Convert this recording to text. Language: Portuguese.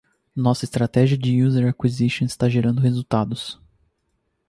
Nossa estratégia de user acquisition está gerando resultados.